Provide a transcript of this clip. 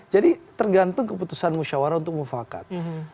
jadi tergantung keputusan musyawara untuk mufakat